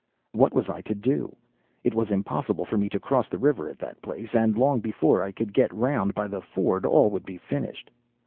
"What was I to do? It was impossible for me to cross the river at that place, and long before I could get round by the ford all would be finished.